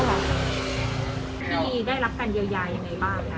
พี่ได้รับฟันเยียวยายยังไงบ้างนะ